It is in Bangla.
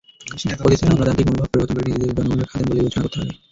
অতীতের আমলাতান্ত্রিক মনোভাব পরিবর্তন করে নিজেদের জনগণের খাদেম বলে বিবেচনা করতে হবে।